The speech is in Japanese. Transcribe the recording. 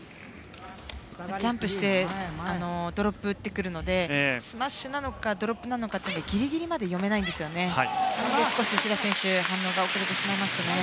ジャンプしてドロップを打ってくるのでスマッシュなのかドロップなのかというのがギリギリまで読めないので少し志田選手は反応が遅れてしまいましたね。